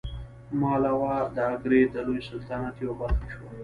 مالوه د اګرې د لوی سلطنت یوه برخه شوه.